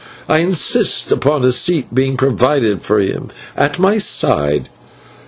I insist upon a seat being provided for him at my side."